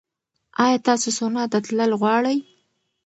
ایا تاسو سونا ته تلل غواړئ؟